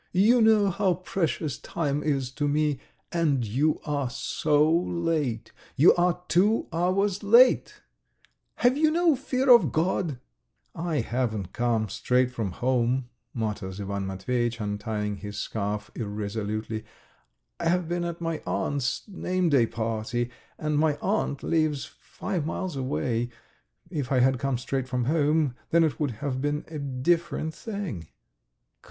"You know how precious time is to me, and you are so late. You are two hours late! ... Have you no fear of God?" "I haven't come straight from home," mutters Ivan Matveyitch, untying his scarf irresolutely. "I have been at my aunt's name day party, and my aunt lives five miles away. ... If I had come straight from home, then it would have been a different thing."